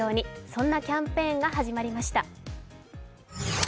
そんなキャンペーンが始まりました。